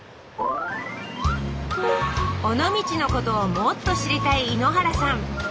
尾道のことをもっと知りたい井ノ原さん。